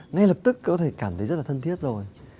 ngay lập tức có thể cảm thấy rất là thân thiết rồi